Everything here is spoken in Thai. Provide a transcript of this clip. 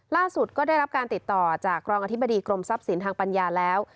ล่าสุดก็ได้รับการติดต่อจากรองอธิบดีกรมทรัพย์สินทางปัญญาแล้ว